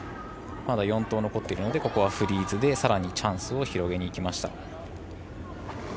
まだ４投残っているのでここはフリーズでさらにチャンスを広げにいきました。